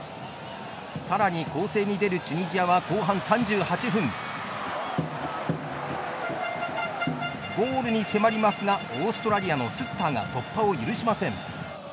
さらに攻勢に出るチュニジアは後半３８分ゴールに迫りますがオーストラリアのスッタ―が突破を許しません。